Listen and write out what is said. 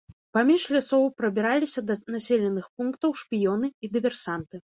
Паміж лясоў прабіраліся да населеных пунктаў шпіёны і дыверсанты.